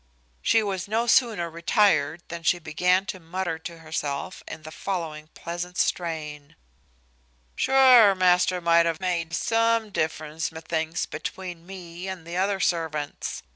She was no sooner retired, than she began to mutter to herself in the following pleasant strain: "Sure master might have made some difference, methinks, between me and the other servants.